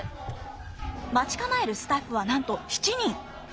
待ち構えるスタッフはなんと７人。